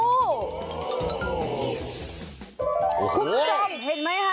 คุกจ้อมเห็นมั้ยฮะ